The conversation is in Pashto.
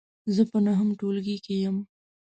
زه په نهم ټولګې کې یم .